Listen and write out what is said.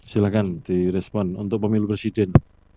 silahkan direspon untuk pemilu presiden